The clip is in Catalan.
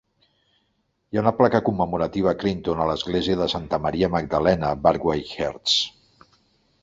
Hi ha una placa commemorativa a Clinton a l'església de Santa Maria Magdalena, Barkway, Herts.